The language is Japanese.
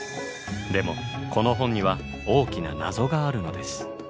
でもこの本には大きな謎があるのです。